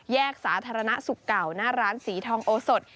สาธารณสุขเก่าหน้าร้านสีทองโอสด